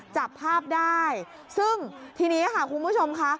จับภาพได้ซึ่งทีนี้ค่ะคุณผู้ชมค่ะ